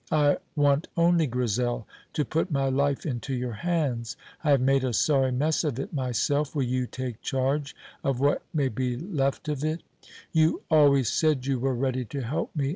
I want only, Grizel, to put my life into your hands. I have made a sorry mess of it myself. Will you take charge of what may be left of it? You always said you were ready to help me.